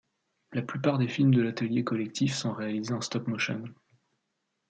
La plupart des films de l'Atelier Collectif sont réalisés en Stop Motion.